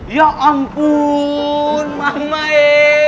ya ampun mamae